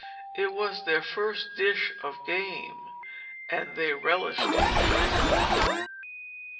It was their first dish of game, and they relished it greatly.